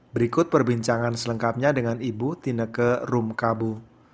berikut perbincangan selengkapnya dengan ibu tineke rumkabu